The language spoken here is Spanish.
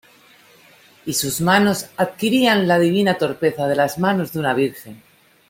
y sus manos adquirían la divina torpeza de las manos de una virgen.